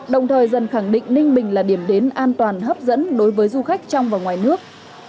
đồng thời dần khẳng định ninh bình là điểm đến an toàn hấp dẫn đối với du khách trong và ngoài nước